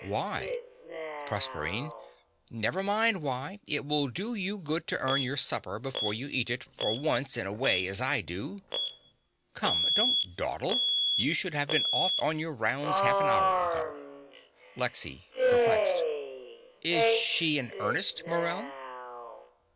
Why? PROSERPINE. Never mind why. It will do you good to earn your supper before you eat it, for once in a way, as I do. Come: don't dawdle. You should have been off on your rounds half an hour ago. LEXY (perplexed). Is she in earnest, Morell?